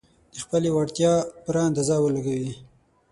د خپلې وړتيا پوره اندازه ولګوي.